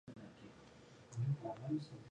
چې د وزارت امنیت لومړی معاون ؤ